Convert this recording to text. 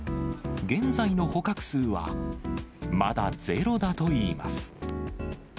現在の捕獲数はまだゼロだといいます。